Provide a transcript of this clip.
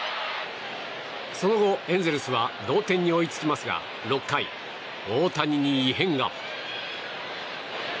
その後、エンゼルスは同点に追いつきますが６回、大谷に異変が。